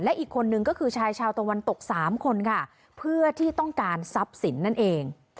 อีกคนนึงก็คือชายชาวตะวันตกสามคนค่ะเพื่อที่ต้องการทรัพย์สินนั่นเอง